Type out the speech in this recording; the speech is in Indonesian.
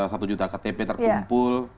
satu juta ktp terkumpul